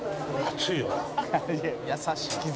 「優しいな」